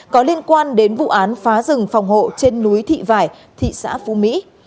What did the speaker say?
có liên quan đến vụ án phá rừng phòng hộ trên núi thị vải thị xã phú mỹ